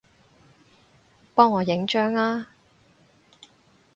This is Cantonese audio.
幫我影張吖